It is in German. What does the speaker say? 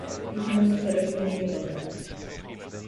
Ich muss telefonieren.